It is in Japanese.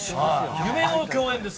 夢の共演です。